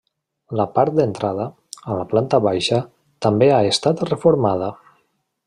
La part d'entrada, a la planta baixa, també ha estat reformada.